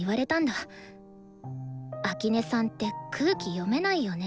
「秋音さんって空気読めないよね」